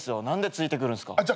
何でついてくるんすか？